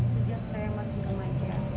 sejak saya masih kemanca